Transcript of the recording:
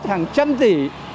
hàng trăm tỷ